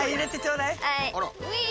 うい！